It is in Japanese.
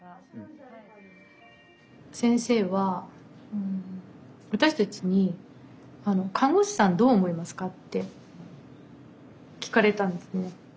先生は私たちに「看護師さんどう思いますか？」って聞かれたんですね。